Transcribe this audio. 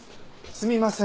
すみません。